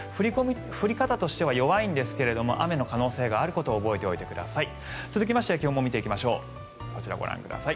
降り方としては弱いんですが雨の可能性があることを覚えておいてください。